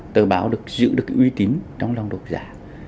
tờ báo được giữ được uy tín trong lòng đọc giả